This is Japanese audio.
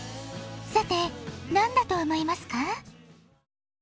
さて何だと思いますか？